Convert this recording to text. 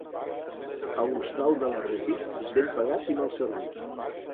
A l'hostal de l'Arrupit, ben pagat i mal servit.